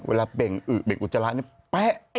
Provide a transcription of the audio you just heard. เวลาเบ่งอืมเบ่งอุจจาระเนี่ยแป๊ะ